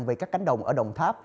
về các cánh đồng ở đồng tháp